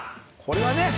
⁉これはね。